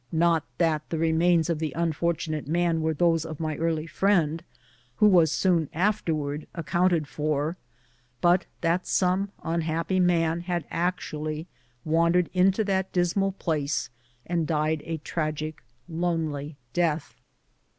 Not that the remains of the unfortunate man were those of my early friend, who 192 BOOTS AND SADDLES. was soon afterwards accounted for, but that some un happy man had actually wandered into that dismal place and died a tragic death alone.